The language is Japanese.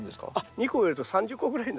２個植えると３０個ぐらいになるからです。